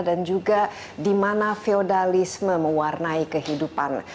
dan juga di mana feodalisme mewarnai kehidupan